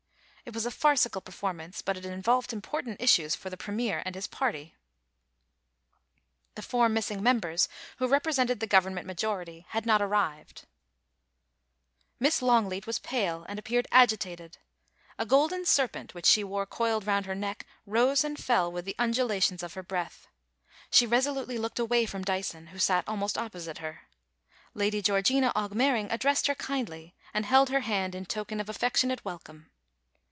It was a farcical performance, but it involved important issues for the Premier and his party. 144 POLICY AND PASSION, The four missing members, who represented the Govern ment majority, had not arrived Miss Longleat was pale, and appeared agitated A golden serpent which she wore coiled round her neck rose and fell with the undulations of her breath. She resolutely looked away from Dyson, who sat almost opposite her. Lady Georgina Augmering addressed her kindly, and held her hand in token of affectionate welcome.